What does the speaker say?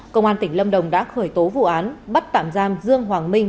công an tỉnh lâm đồng đã khởi tố vụ án bắt tạm giam dương hoàng minh